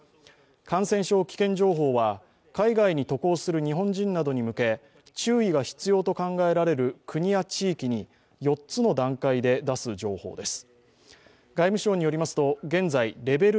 感染症危険情報は海外に渡航する日本人などに向け注意が必要と考えられる国や地域に４つの段階で出す情報です。